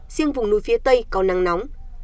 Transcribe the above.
riêng vùng núi phía tây có nắng nóng